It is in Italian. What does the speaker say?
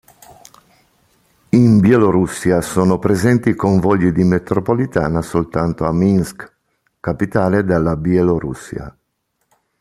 In Bielorussia sono presenti convogli di metropolitana soltanto a Minsk, capitale della Bielorussia.